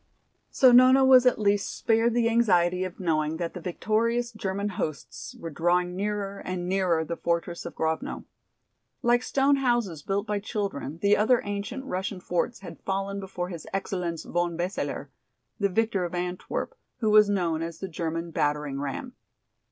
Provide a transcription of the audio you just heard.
So Nona was at least spared the anxiety of knowing that the victorious German hosts were drawing nearer and nearer the fortress of Grovno. Like stone houses built by children the other ancient Russian forts had fallen before his "Excellenz von Beseler," the victor of Antwerp, who was known as the German battering ram.